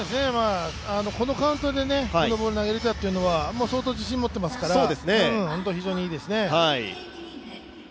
このカウントでこのボール投げれたというのは相当自信を持っていますから非常にいいですね。